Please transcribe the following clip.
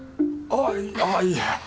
ああいえ。